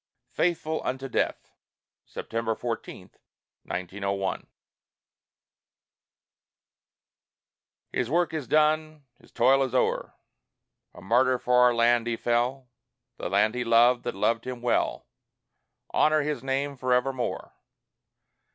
FAITHFUL UNTO DEATH [September 14, 1901] His work is done, his toil is o'er; A martyr for our land he fell The land he loved, that loved him well; Honor his name for evermore!